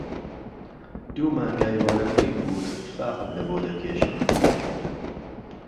دوو مانگای هۆلهندیم بوون تفاقم له بۆ دهکێشان